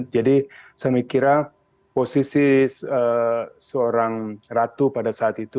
jadi saya mikir posisi seorang ratu pada saat itu